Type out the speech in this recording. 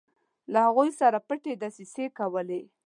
له هغوی سره پټې دسیسې کولې.